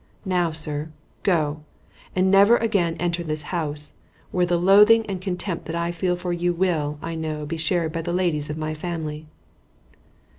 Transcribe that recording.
Now, sir, go, and never again enter this house, where the loathing and contempt that I feel for you will, I know, be shared by the ladies of my family."